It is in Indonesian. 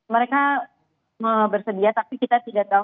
mereka bersedia tapi kita tidak tahu